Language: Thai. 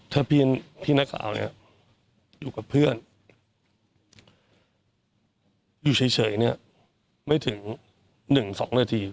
ถ้าพี่นักข่าวเนี่ยอยู่กับเพื่อนอยู่เฉยเนี่ยไม่ถึง๑๒นาที